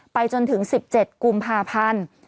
จนถึง๑๗กุมภาพันธ์